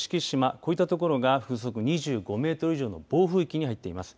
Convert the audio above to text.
こうしたところが風速２５メートル以上の暴風域に入っています。